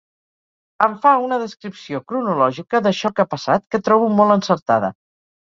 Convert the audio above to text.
Em fa una descripció cronològica d’això que ha passat que trobo molt encertada.